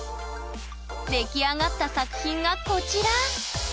出来上がった作品がこちら！